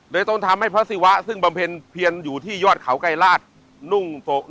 เลยต้องทำให้พระศิวะซึ่งบำเพ็ญเพียนอยู่ที่ยอดเขาใกล้ราช